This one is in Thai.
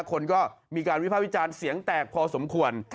คนก็มีการวิภาควิจารณ์เสียงแตกพอสมควร